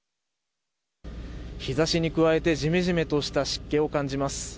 日差しに加えてじめじめとした湿気を感じます。